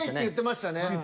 言ってました。